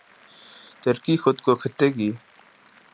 ترکی خود کو خطے کی